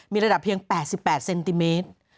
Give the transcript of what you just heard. มีระดับเพียง๘๘เซนติเมตร